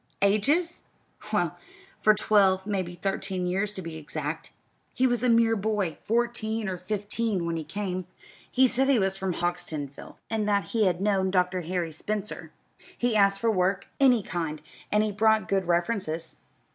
"Ages? Well, for twelve maybe thirteen years, to be exact. He was a mere boy, fourteen or fifteen, when he came. He said he was from Houghtonsville, and that he had known Dr. Harry Spencer. He asked for work any kind, and brought good references.